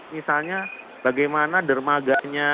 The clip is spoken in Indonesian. misalnya bagaimana dermaganya